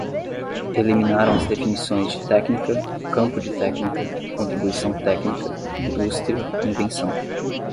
Eliminaram as definições de "técnica", "campo de técnica", "contribuição técnica", "indústria", "invenção".